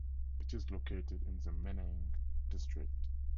It is located in the Meneng District.